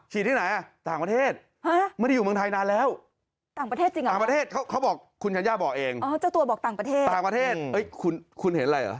เห็นมาร